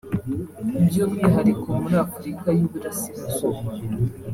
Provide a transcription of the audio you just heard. by’umwihariko muri Afurika y’Uburasirazuba